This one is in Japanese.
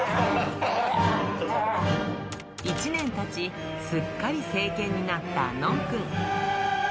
１年たち、すっかり成犬になったノンくん。